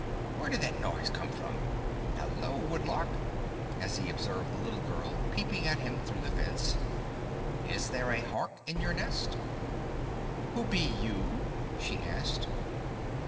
Where did that noise come from? Hello, wood lark," as he observed the little girl peeping at him through the fence, "is there a hawk in your nest?" "Who be you?" she asked.